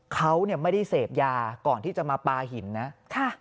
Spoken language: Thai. เขาเนี่ยไม่ได้เสพยาก่อนที่จะมาปลาหินนะ